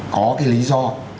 có cái lý do